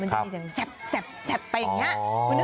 มันจะไปแซ่บแซ่บไปอย่างนี้